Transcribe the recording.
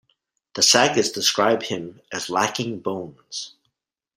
The sagas describe him as lacking bones.